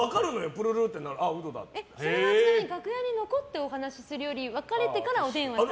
プルルって鳴ってそれはちなみに楽屋に残ってお話するより別れてからお電話する？